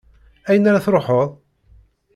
Ayen ara truḥeḍ?